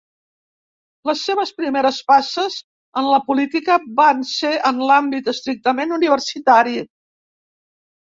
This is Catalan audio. Les seves primeres passes en la política van ser en l'àmbit estrictament universitari.